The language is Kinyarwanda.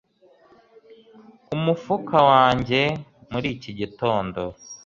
umufuka wanjye muri iki gitondo